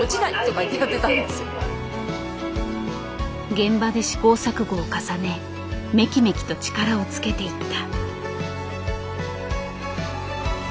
現場で試行錯誤を重ねめきめきと力をつけていった。